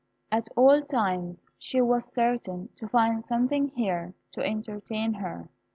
At all times she was certain to find something here to entertain her.